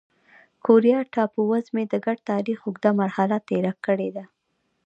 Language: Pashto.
کوریا ټاپو وزمې د ګډ تاریخ اوږده مرحله تېره کړې ده.